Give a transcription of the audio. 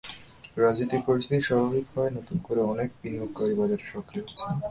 রাজনৈতিক পরিস্থিতি স্বাভাবিক হওয়ায় নতুন করে অনেক বিনিয়োগকারী বাজারে সক্রিয় হচ্ছেন।